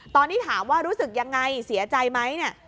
ตอนนี้ถามว่ารู้สึกยังไงเสียใจไหมเนี่ย